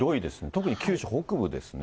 特に九州北部ですね。